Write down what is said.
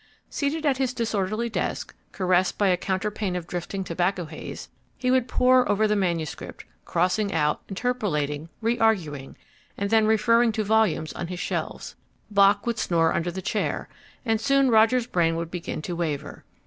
Seated at his disorderly desk, caressed by a counterpane of drifting tobacco haze, he would pore over the manuscript, crossing out, interpolating, re arguing, and then referring to volumes on his shelves. Bock would snore under the chair, and soon Roger's brain would begin to waver.